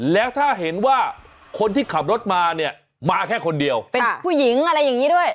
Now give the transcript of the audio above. แล้วถ้าเห็นว่าคนที่ขับรถมาเนี่ยมาแค่คนเดียวเป็นผู้หญิงอะไรอย่างนี้ด้วย